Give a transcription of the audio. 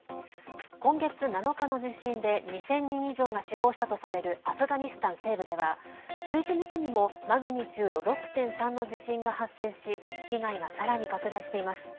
今月７日の地震で２０００人以上が死亡したとされるアフガニスタン西部では１１日にもマグニチュード６．３の地震が発生し被害がさらに拡大しています。